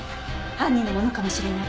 犯人のものかもしれない。